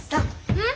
うん？